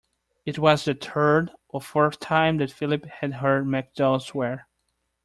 It was the third or fourth time that Philip had heard MacDougall swear.